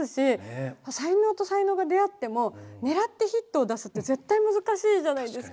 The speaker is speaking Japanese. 才能と才能が出会ってもねらってヒットを出すって絶対難しいじゃないですか。